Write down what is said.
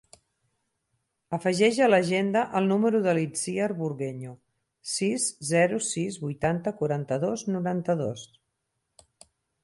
Afegeix a l'agenda el número de l'Itziar Burgueño: sis, zero, sis, vuitanta, quaranta-dos, noranta-dos.